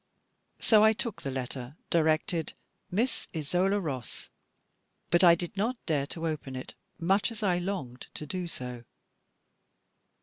So I took the letter, directed "Miss Isola Ross," but I did not dare to open it, much as I longed to do so.